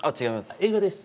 映画です。